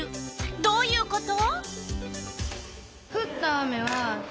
どういうこと？